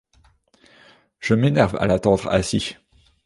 Je m’énerve à l’attendre ainsi !